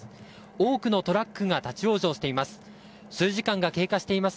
多くのトラックが立ち往生しています。